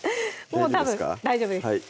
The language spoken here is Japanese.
もうたぶん大丈夫です